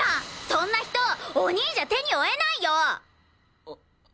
そんな人お兄じゃ手に負えないよ！！